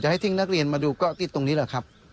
ให้ทิ้งนักเรียนมาดูก็ที่ตรงนี้แหละครับ